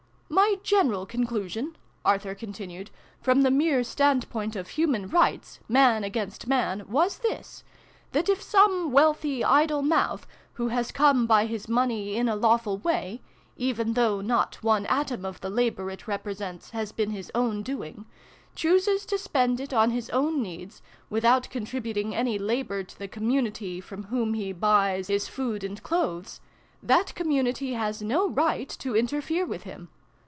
" My general conclusion," Arthur continued, " from the mere standpoint of human rights, man against man, was this that if some wealthy ' idle mouth,' who has come by his money in a lawful way, even though not one atom of the labour it represents has been his own doing, chooses to spend it on his own needs, without contributing any labour to the community from whom he buys his food and 42 SYLVIE AND BRUNO CONCLUDED. clothes, that community has no right to inter fere with him.